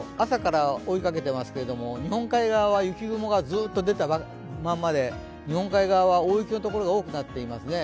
朝から追いかけていますけど、日本海側は雪雲がずっと出たままで日本海側は大雪のところが多くなっています。